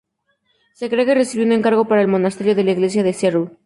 Se cree que recibió un encargo para el monasterio y la iglesia de St.